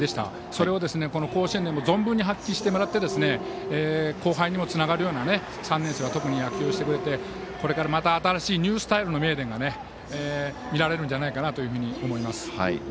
それをこの甲子園でも存分に発揮してもらって後輩にもつながるような野球を３年生はしてくれてこれからまた新しいニュースタイルの名電が見られるんじゃないかなと思います。